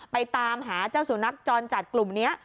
ตามหาเจ้าสุนัขจรจัดกลุ่มนี้